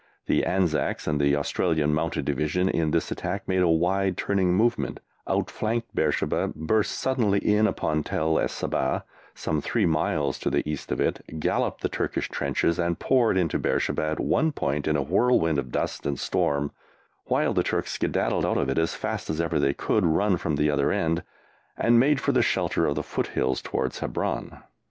The Anzacs and the Australian Mounted Division in this attack made a wide turning movement, outflanked Beersheba, burst suddenly in upon Tel el Saba, some three miles to the east of it, galloped the Turkish trenches, and poured into Beersheba at one end in a whirlwind of dust and storm while the Turks skedaddled out of it as fast as ever they could run from the other end, and made for the shelter of the foothills towards Hebron.